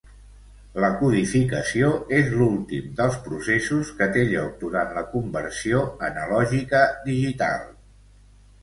La codificació és l'últim dels processos que té lloc durant la conversió analògica-digital.